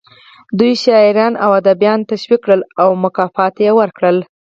دوی شاعران او ادیبان تشویق کړل او مکافات یې ورکړل